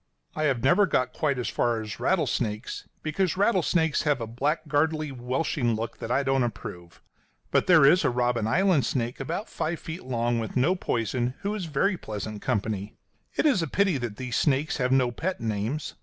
I have never got quite as far as rattlesnakes, because rattlesnakes have a blackguardly, welshing look that I don't approve. But there is a Robben Island snake, about five feet long, with no poison, who is very pleasant company. It is a pity that these snakes have no pet names.